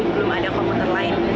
belum ada komputer lain